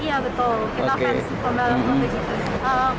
iya betul kita fans pembalap motogp